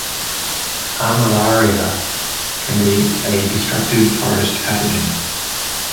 "Armillaria" can be a destructive forest pathogen.